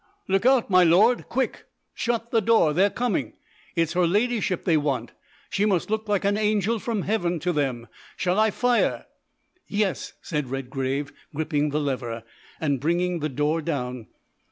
"Look out, my Lord! Quick! Shut the door, they're coming! It's her ladyship they want; she must look like an angel from Heaven to them. Shall I fire?" "Yes," said Redgrave, gripping the lever, and bringing the door down.